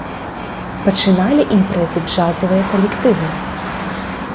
Пачыналі імпрэзы джазавыя калектывы.